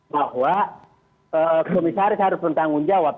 bahwa komisaris harus bertanggung jawab